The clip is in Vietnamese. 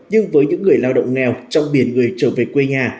nhưng với những người lao động nghèo trong biển người trở về quê nhà